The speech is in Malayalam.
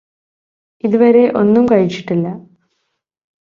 ഇത് വരെ ഒന്നും കഴിച്ചിട്ടില്ല